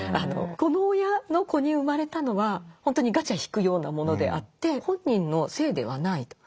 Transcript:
この親の子に生まれたのは本当にガチャ引くようなものであって本人のせいではないと。